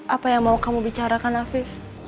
apa yang mau kamu bicarakan afif